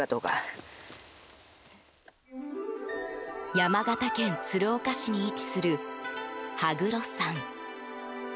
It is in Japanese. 山形県鶴岡市に位置する羽黒山。